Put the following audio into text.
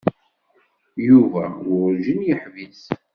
Yuba werǧin yeḥbis.